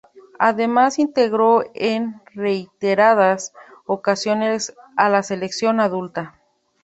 Además integró en reiteradas ocasiones a la selección adulta.